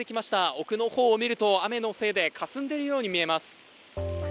奥の方を見ると、雨のせいでかすんでいるように見えます。